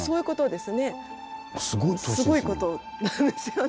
すごいことなんですよね。